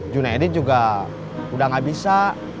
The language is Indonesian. junaidid juga udah gak bisa